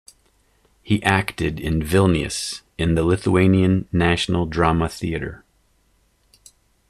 He acted in Vilnius, in the Lithuanian National Drama Theatre.